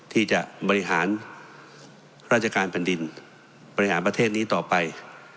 ที่จะบริหารราชการแผ่นดินบริหารประเทศนี้ต่อไป